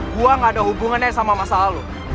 gua ga ada hubungannya sama masalah lo